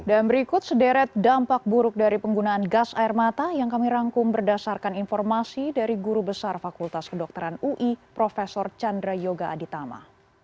dan berikut sederet dampak buruk dari penggunaan gas air mata yang kami rangkum berdasarkan informasi dari guru besar fakultas kedokteran ui prof chandra yoga aditama